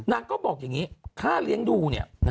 นางก็บอกอย่างนี้ค่าเลี้ยงดูเนี่ย